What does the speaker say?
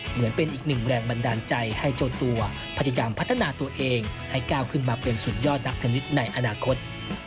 เหมือนเป็นอีกหนึ่งแรงบันดาลใจให้เจ้าตัวพยายามพัฒนาตัวเองให้ก้าวขึ้นมาเป็นสุดยอดนักเทนนิสในอนาคต